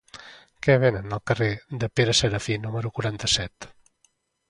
Què venen al carrer de Pere Serafí número quaranta-set?